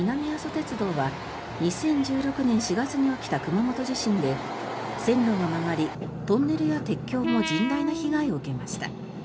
鉄道は２０１６年４月に起きた熊本地震で線路が曲がり、トンネルや鉄橋も甚大な被害を受けました。